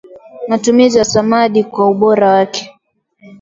matumizi ya samadi kwa ubora wake